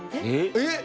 えっ？